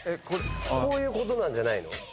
こういうことじゃないの？